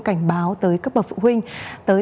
cảnh báo tới các bậc phụ huynh tới